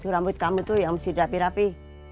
rambut kamu tuh yang mesti dirapi rapi